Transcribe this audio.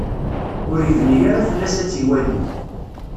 Ur ibni ara fell-as ad tt-iwali.